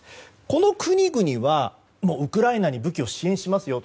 この国々は、ウクライナに武器を支援しますよ